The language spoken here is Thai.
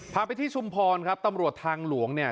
พาไปที่ชุมพรครับตำรวจทางหลวงเนี่ย